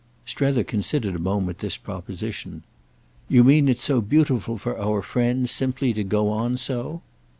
Strether considered a moment this proposition. "You mean it's so beautiful for our friends simply to go on so?"